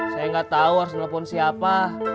saya gak tau harus telepon siapa